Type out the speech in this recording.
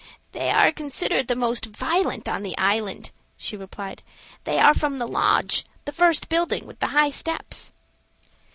"They are considered the most violent on the island," she replied. "They are from the Lodge, the first building with the high steps."